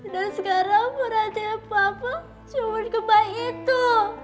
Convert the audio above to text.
dan sekarang perhatian papa cuma kebaik itu